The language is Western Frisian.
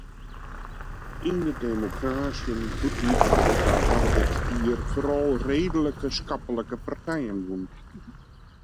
Yn de demokrasyen bûten Europa hawwe dit jier foaral reedlike, skaplike partijen wûn.